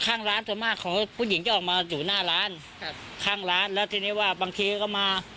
ข้างร้านส่วนมากของผู้หญิงจะออกมาอยู่หน้าร้านครับข้างร้านแล้วทีนี้ว่าบางทีก็มา